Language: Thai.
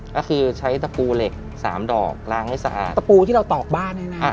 ก็คือใช้ตะปูเหล็กสามดอกล้างให้สะอาดตะปูที่เราตอกบ้านให้นะอ่า